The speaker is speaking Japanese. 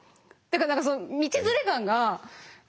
だから何かその道連れ感が。